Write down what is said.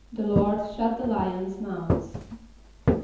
=The Lord shut the lions' mouths.